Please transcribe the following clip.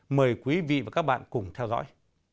mời quý vị và các bạn cùng theo dõi